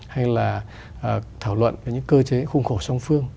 hay là thảo luận về những cơ chế khung khổ song phương